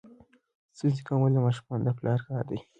ستونزې کمول د ماشومانو د پلار کار دی.